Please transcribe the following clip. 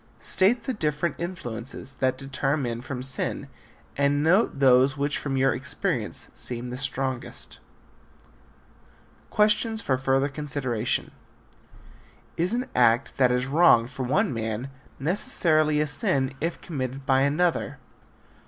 State the different influences that deter men from sin and note those which from your experience seem the strongest. Questions for Further Consideration. Is an act that is wrong for one man necessarily a sin if committed by another?